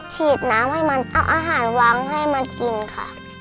ฉีดน้ำให้มันเอาอาหารวางให้มันกินค่ะ